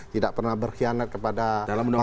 tidak pernah berkhianat kepada bangsa dan negara